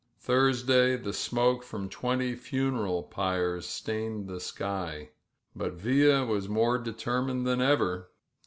Thursday smoke from twenty funeral pyres stained the sky. ] Villa was more determined than ever.